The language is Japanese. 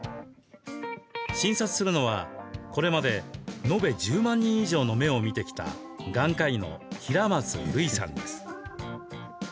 診察するのはこれまで延べ１０万人以上の目を診てきた眼科医の平松類さんです。